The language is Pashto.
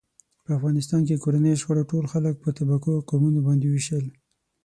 په افغانستان کې کورنیو شخړو ټول خلک په طبقو او قومونو باندې و وېشل.